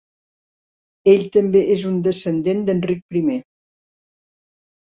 Ell també és un descendent d'Enric I.